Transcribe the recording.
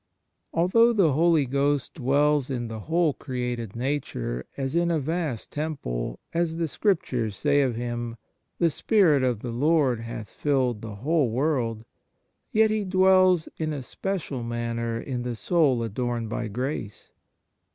Although the Holy Ghost dwells in the whole created nature as in a vast temple, as the Scriptures say of Him, " The Spirit of the Lord hath filled the whole world," 47 THE MARVELS OF DIVINE GRACE yet He dwells in a special manner in the soul adorned by grace.